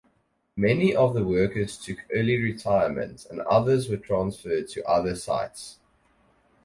Many of the workers took early retirement and others were transferred to other sites.